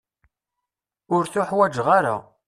Ur tuḥwaǧeɣ ara.